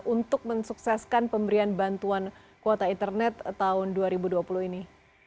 untuk mensukseskan pemberian bantuan kuota internet tahun dua ribu dua puluh ini